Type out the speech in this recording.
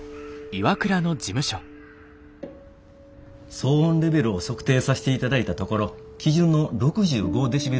騒音レベルを測定さしていただいたところ基準の６５デシベル以下でした。